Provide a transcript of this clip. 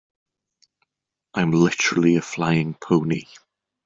I'm literally a flying pony.